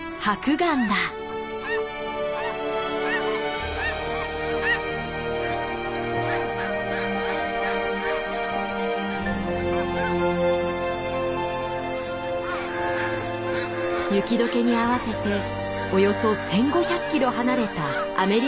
雪どけに合わせておよそ１，５００キロ離れたアメリカからやって来た。